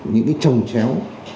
những cái trồng chéo